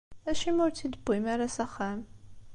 Acimi ur tt-id-tewwim ara s axxam?